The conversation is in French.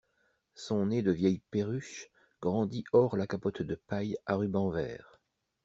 Son nez de vieille perruche grandit hors la capote de paille à rubans verts.